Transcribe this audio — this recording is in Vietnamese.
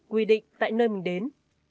quy định tại nơi mình đến